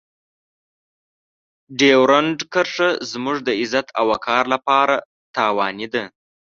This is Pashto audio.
ډیورنډ کرښه زموږ د عزت او وقار لپاره تاواني ده.